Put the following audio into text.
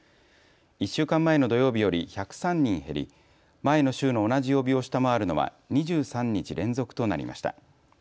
１週間前の土曜日より１０３人減り、前の週の同じ曜日を下回るのは２３日連続となりました。